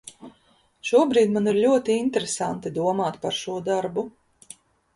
Šobrīd man ir ļoti interesanti domāt par šo darbu.